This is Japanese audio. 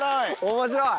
面白い！